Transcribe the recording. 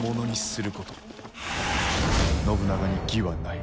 「信長に義はない。